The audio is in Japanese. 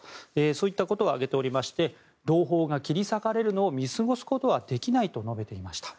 そういったことを挙げておりまして同胞が切り裂かれるのを見過ごすことはできないと述べていました。